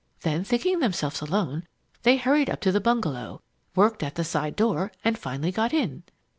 Then, thinking themselves alone, they hurried up to the bungalow, worked at the side door, and finally got in.